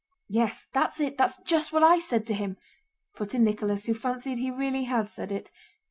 "Yes, that's it! That's just what I said to him," put in Nicholas, who fancied he really had said it.